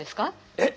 えっ？